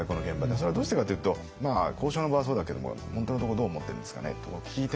それはどうしてかというと交渉の場はそうだけども本当のところどう思ってるんですかねと聞いて回るわけですよ